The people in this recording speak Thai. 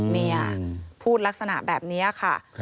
นี่พูดลักษณะแบบนี้ค่ะ